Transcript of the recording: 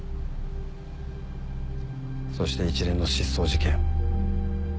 そして一連の失踪事件。